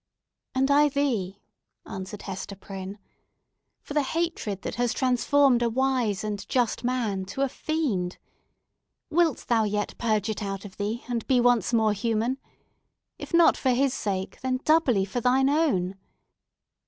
"And I thee," answered Hester Prynne, "for the hatred that has transformed a wise and just man to a fiend! Wilt thou yet purge it out of thee, and be once more human? If not for his sake, then doubly for thine own!